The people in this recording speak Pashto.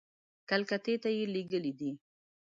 کلکتې ته یې لېږلي دي.